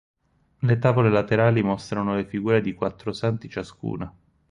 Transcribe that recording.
Le tavole laterali mostrano le figure di quattro santi ciascuna.